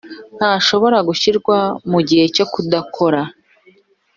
ntashobora gushyirwa mu gihe cyo kudakora